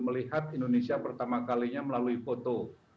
melihat indonesia pertama kalinya melalui foto